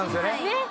ねっ。